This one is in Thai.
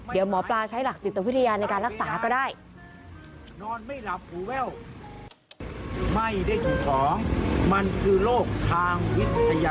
เดี๋ยวหมอปลาใช้หลักจิตวิทยาในการรักษาก็ได้